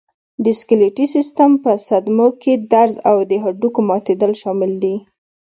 د سکلېټي سیستم په صدمو کې درز او د هډوکو ماتېدل شامل دي.